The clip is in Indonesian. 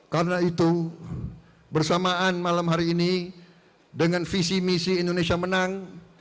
karena itu bersamaan malam hari ini dengan visi misi indonesia menang